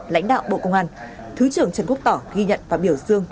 lãnh đạo bộ công an thứ trưởng trần quốc tỏ ghi nhận và biểu dương